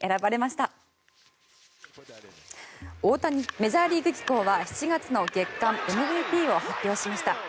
メジャーリーグ機構は７月の月間ＭＶＰを発表しました。